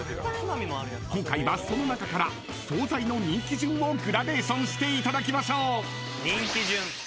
［今回はその中から惣菜の人気順をグラデーションしていただきましょう］